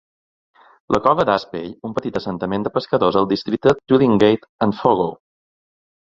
La cova d"Aspey, un petit assentament de pescadors al districte Twillingate and Fogo.